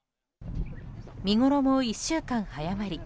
見ごろも１週間早まり